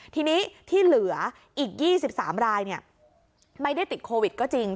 ทีนี้ที่เหลืออีก๒๓รายไม่ได้ติดโควิดก็จริง